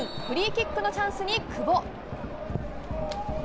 フリーキックのチャンスに久保。